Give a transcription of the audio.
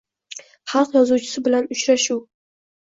Xalq yozuvchisi bilan uchrashuvng